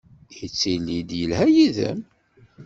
Yettili-d yelha yid-m?